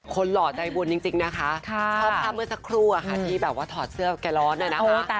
หล่อใจบุญจริงนะคะชอบภาพเมื่อสักครู่อะค่ะที่แบบว่าถอดเสื้อแกร้อนน่ะนะคะ